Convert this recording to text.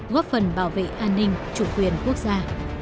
góp phần bảo vệ an ninh chủ quyền quốc gia